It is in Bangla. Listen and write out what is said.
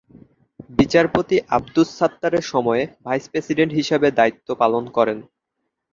বিচারপতি আব্দুস সাত্তারের সময়ে ভাইস প্রেসিডেন্ট হিসেবে দায়িত্ব পালন করেন।